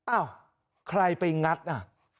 อ้าวใครไปงัดน่ะ